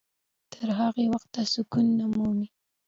تر هغه وخته سکون نه مومي.